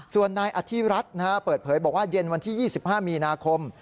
ส่วนนายอธิรัฐเปิดเผยบอกว่าเย็นวันที่๒๕มีนาคม